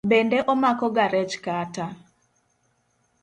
Bende omakoga rech kata?